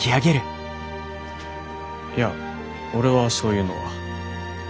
いや俺はそういうのは。